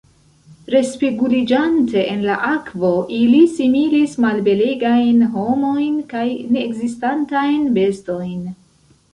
Respeguliĝante en la akvo, ili similis malbelegajn homojn kaj neekzistantajn bestojn.